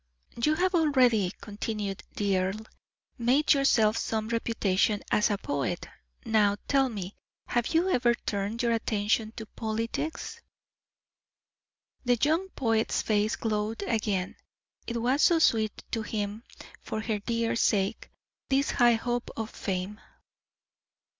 "You have already," continued the earl, "made for yourself some reputation as a poet; now tell me, have you ever turned your attention to politics?" The young poet's face glowed again; it was so sweet to him, for her dear sake, this high hope of fame.